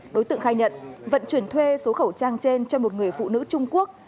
đối tượng khai nhận vận chuyển thuê số khẩu trang trên cho một người phụ nữ trung quốc